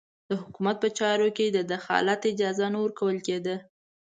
د حکومت په چارو کې د دخالت اجازه نه ورکول کېده.